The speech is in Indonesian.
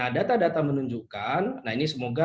data data menunjukkan nah ini semoga